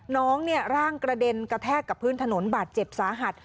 น้องเนี่ยร่างกระเด็นกระแทกกับพื้นถนนบาดเจ็บสาหัส